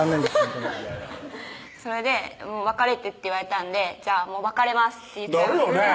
僕もそれで「別れて」って言われたんで「じゃあもう別れます」ってなるよねぇ